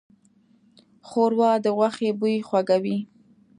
ښوروا د غوښې بوی خوږوي.